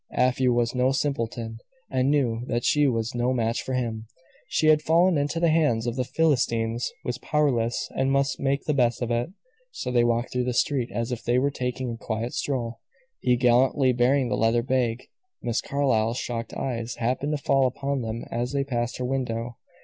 Afy was no simpleton, and knew that she was no match for him. She had fallen into the hands of the Philistines, was powerless, and must make the best of it. So they walked through the street as if they were taking a quiet stroll, he gallantly bearing the leather bag. Miss Carlyle's shocked eyes happened to fall upon them as they passed her window.